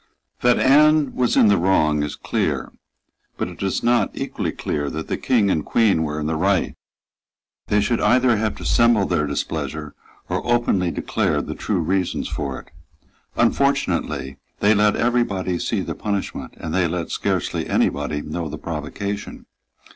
That Anne was in the wrong is clear; but it is not equally clear that the King and Queen were in the right. They should have either dissembled their displeasure, or openly declared the true reasons for it. Unfortunately, they let every body see the punishment, and they let scarcely any body know the provocation.